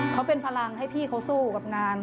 เขาเป็นพลังให้พี่เขาสู้กับงาน